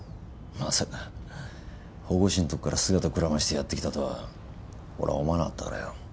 まさか保護司のとこから姿くらましてやって来たとは俺は思わなかったからよ。